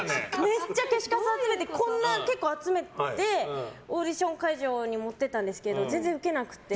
めっちゃ消しカスを集めてオーディション会場に持って行ったんですけど全然ウケなくて。